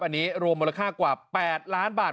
อันนี้รวมมูลค่ากว่า๘ล้านบาท